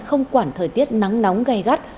không quản thời tiết nắng nóng gay gắt